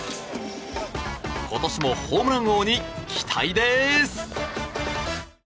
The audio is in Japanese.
今年もホームラン王に期待です！